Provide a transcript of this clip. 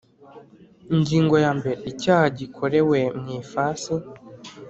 Ingingo ya mbere Icyaha gikorewe mu ifasi